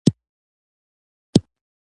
دوهم: ددې دمخه چي مصرف وکړې، لومړی یې وګټه.